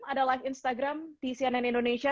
ada live instagram di cnn indonesia